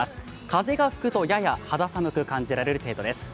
風が吹くとやや肌寒く感じられる程度です。